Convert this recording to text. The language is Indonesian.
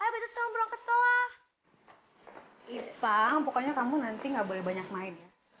hai betul betul berangkat tolak ipang pokoknya kamu nanti nggak boleh banyak main